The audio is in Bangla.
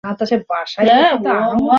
দিনে তিনবার আমি সব ঈশ্বরকে ডাকি।